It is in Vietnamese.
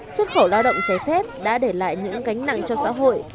xuất khẩu lao động trái phép đã để lại những cánh nặng cho xã hội